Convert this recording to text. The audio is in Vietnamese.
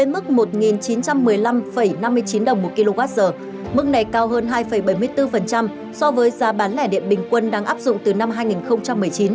mức này cao hơn hai bảy mươi bốn so với giá bán lẻ điện bình quân đang áp dụng từ năm hai nghìn một mươi chín